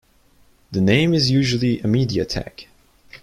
The name is usually a media tag.